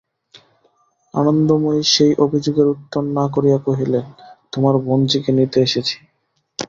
আনন্দময়ী সেই অভিযোগের উত্তর না করিয়া কহিলেন, তোমার বোনঝিকে নিতে এসেছি।